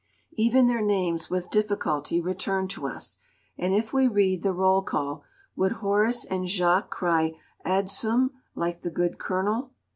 Even their names with difficulty return to us, and if we read the roll call, would Horace and Jacques cry Adsum like the good Colonel?